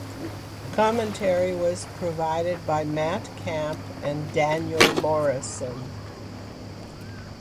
Commentary was provided by Matt Camp and Daniel Morrison.